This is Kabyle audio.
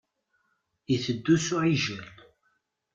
Iteddu s uɛijel.